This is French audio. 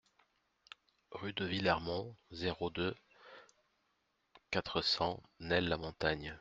Rue de Villermont, zéro deux, quatre cents Nesles-la-Montagne